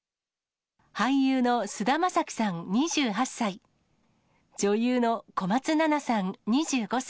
俳優の菅田将暉さん２８歳、女優の小松菜奈さん２５歳。